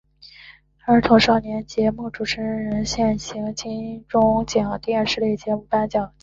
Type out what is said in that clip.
儿童少年节目主持人奖为现行金钟奖电视节目类颁发奖项。